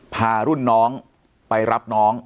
พารุ่นน้องไปรับน้อง